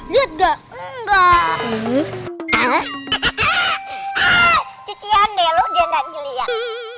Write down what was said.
lihat gak enggak cucian deh lo dia gak ngeliat